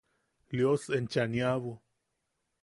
–Lios enchaniabu.